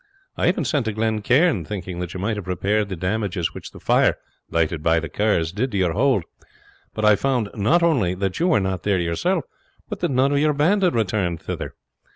I even sent to Glen Cairn, thinking that you might have been repairing the damages which the fire, lighted by the Kerrs, did to your hold; but I found not only that you were not there yourself, but that none of your band had returned thither.